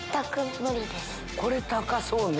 これ高そうね。